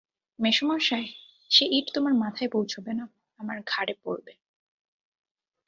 মেসোমশায়, সে ইঁট তোমার মাথায় পৌঁছবে না, আমার ঘাড়েপড়বে।